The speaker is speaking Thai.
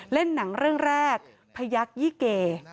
เล่นหนังเรื่องแรกพยักยี่เก